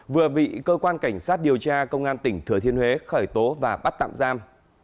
vừa bị cơ quan cảnh sát điều tra công an tỉnh thừa thiên huế khởi tố và bắt tạm giam